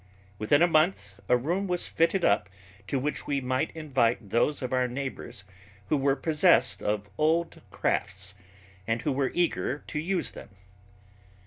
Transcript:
Within a month a room was fitted up to which we might invite those of our neighbors who were possessed of old crafts and who were eager to use them.